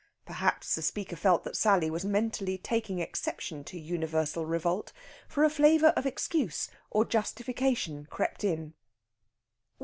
Perhaps the speaker felt that Sally was mentally taking exception to universal revolt, for a flavour of excuse or justification crept in. "Well!